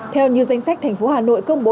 theo như danh sách thành phố hà nội công bố